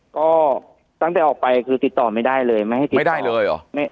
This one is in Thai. ก็ตั้งแต่ออกไปคือติดต่อไม่ได้เลยไม่ได้เลย